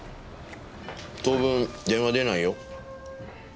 当分電話出ないよ。